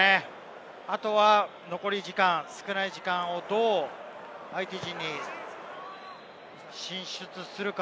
あとは残り時間少ない時間をどう相手陣に進出するか。